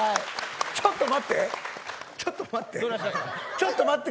ちょっと待って。